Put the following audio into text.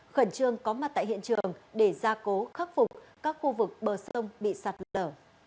khẩn trương có mặt tại hiện trường để gia cố khắc phục các khu vực bờ sông bị sạt lở